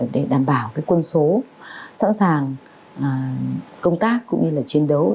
để đảm bảo quân số sẵn sàng công tác cũng như là chiến đấu